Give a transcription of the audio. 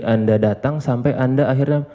anda datang sampai anda akhirnya